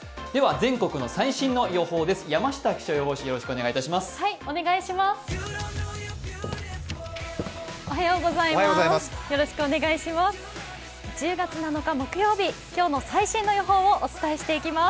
全国の最新の予報です。